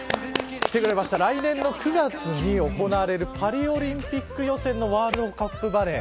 来年の９月に行われるパリオリンピック予選のワールドカップバレー。